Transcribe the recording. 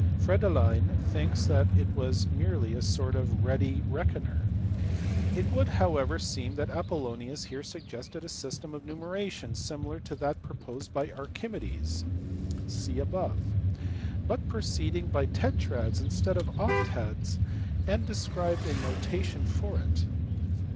Friedlein thinks that it was merely a sort of ready reckoner. It would however seem that Apollonius here suggested a system of numeration similar to that proposed by Archimedes (see above, p. 73), but proceeding by tetrads instead of octads, and described a notation for it.